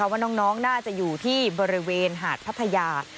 ว่าน้องน่าจะอยู่ที่บริเวณหาดพัทยา